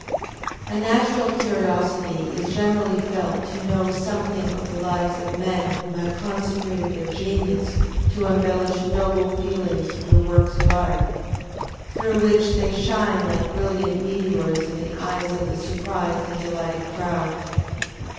A natural curiosity is generally felt to know something of the lives of men who have consecrated their genius to embellish noble feelings through works of art, through which they shine like brilliant meteors in the eyes of the surprised and delighted crowd.